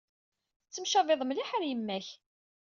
Tettemcabid mliḥ ɣer yemma-k.